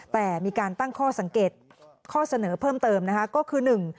แต่มีการตั้งข้อสังเกตข้อเสนอเพิ่มเติมก็คือ